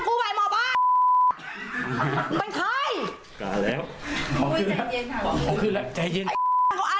คุณปุ้ยอายุ๓๒นางความร้องไห้พูดคนเดี๋ยว